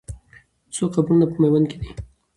څو قبرونه په میوند کې دي؟